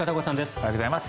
おはようございます。